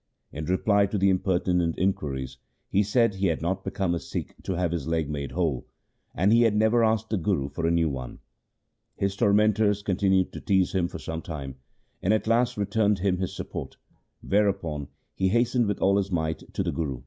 In reply to the impertinent inquiries he said he had not become a Sikh to have his leg made whole, and he had never asked the Guru for a new one. His tormentors con tinued to tease him for some time, and at last re turned him his support, whereupon he hastened with all his might to the Guru.